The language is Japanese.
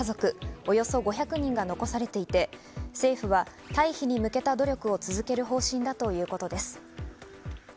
およそ５００人が残されていて、政府は退避に向けた努力を続ける方針だということです。